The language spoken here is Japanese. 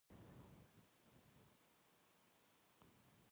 何個送れば録音ができるんだろうか。